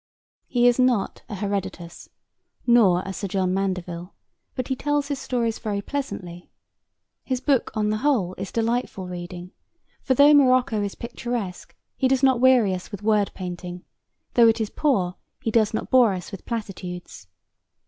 He is not an Herodotus nor a Sir John Mandeville, but he tells his stories very pleasantly. His book, on the whole, is delightful reading, for though Morocco is picturesque he does not weary us with word painting; though it is poor he does not bore us with platitudes.